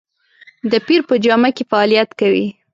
د پیر په جامه کې فعالیت کوي.